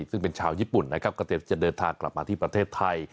ซึ่งเป็นชาวญี่ปุ่นนะครับก็เตรียมจะเดินทางกลับมาที่ประเทศไทย